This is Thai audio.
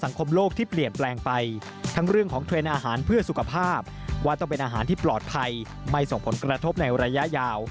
ในทางไทยไม่ส่งผลกระทบในระยะยาว